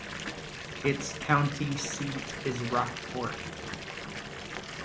Its county seat is Rockport.